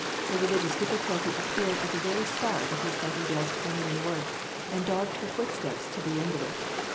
The religious difficulty appeared at the very start of Miss Nightingale's Crimean work, and dogged her footsteps to the end of it.